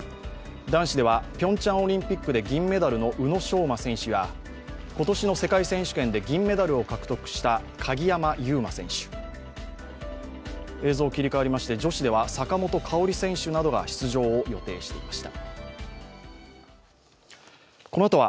男子ではピョンチャンオリンピックで銀メダルの宇野昌磨選手や今年の世界選手権で銀メダルを獲得した鍵山優真選手、女子では、坂本花織選手などが出場を予定していました。